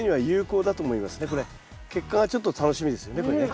ですから結果がちょっと楽しみですよねこれね。